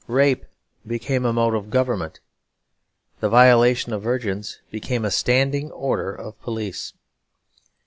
Rape became a mode of government. The violation of virgins became a standing order of police.